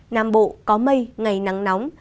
nam bộ có mây ngày nắng nóng